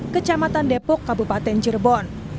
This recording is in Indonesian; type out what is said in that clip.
kecamatan depok kabupaten cirebon